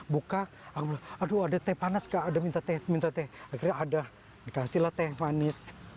buka aduh ada teh panas gak ada minta teh minta teh akhirnya ada dikasihlah teh manis